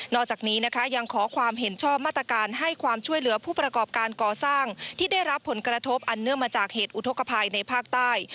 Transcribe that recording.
อกจากนี้นะคะยังขอความเห็นชอบมาตรการให้ความช่วยเหลือผู้ประกอบการก่อสร้างที่ได้รับผลกระทบอันเนื่องมาจากเหตุอุทธกภัยในภาคใต้